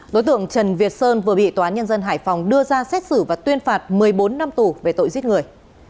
đối tượng trần việt sơn vừa bị tòa nhân dân hải phòng đưa ra xét xử và tuyên phạt một mươi bốn năm tù về tội giết người